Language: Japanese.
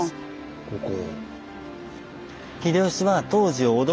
ここ。